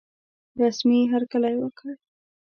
رسمي هرکلی وکړ.